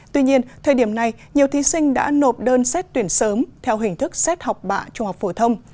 tuy nhiên thời điểm này nhiều thí sinh đã nộp đơn xét tuyển sớm theo hình thức xét học bạ trung học phổ thông